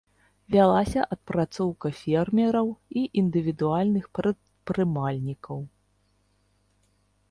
Вялася адпрацоўка фермераў і індывідуальных прадпрымальнікаў.